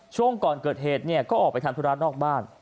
ช่วงก่อนเกิดเหตุเนี่ยก็ออกไปทำธุระนอกบ้าน